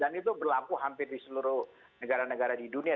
dan itu berlaku hampir di seluruh negara negara di dunia